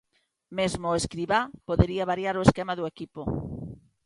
Mesmo Escribá podería variar o esquema do equipo.